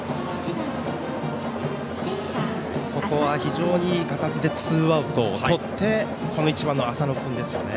ここは非常にいい形でツーアウトをとって１番、浅野君ですよね。